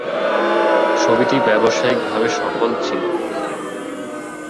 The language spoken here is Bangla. ছবিটি ব্যবসায়িক ভাবে সফল ছিল।